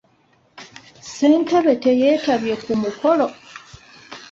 Ssentebe teyetabye ku mukolo.